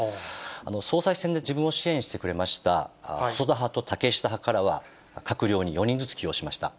総裁選で自分を支援してくれました、細田派と竹下派からは、閣僚に４人ずつ起用しました。